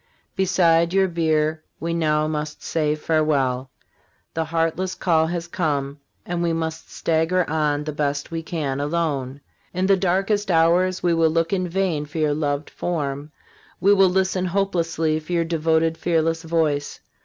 Beside your bier we now must say farewell. The heartless call has come, and we must stagger on the best we can alone. In the darkest hours we will look in vain for your loved form, we will listen hopelessly for your devoted, fearless voice.